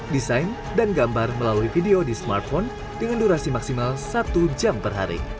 desain dan gambar melalui video di smartphone dengan durasi maksimal satu jam per hari